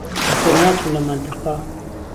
دهرناچم له مهنتهقه